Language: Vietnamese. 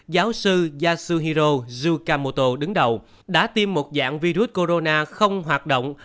giáo sư yasuhiro zukamoto đứng đầu đã tiêm một dạng virus corona không hoạt động